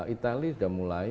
itali sudah mulai